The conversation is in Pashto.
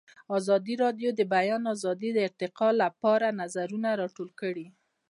ازادي راډیو د د بیان آزادي د ارتقا لپاره نظرونه راټول کړي.